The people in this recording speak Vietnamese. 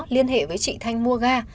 liên hệ với chị thanh mua ga